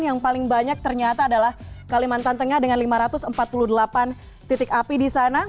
yang paling banyak ternyata adalah kalimantan tengah dengan lima ratus empat puluh delapan titik api di sana